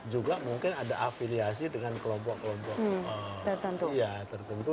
juga mungkin ada afiliasi dengan kelompok kelompok tertentu